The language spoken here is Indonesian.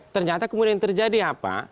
ternyata kemudian terjadi apa